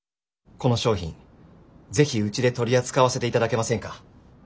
この商品是非うちで取り扱わせていただけませんか？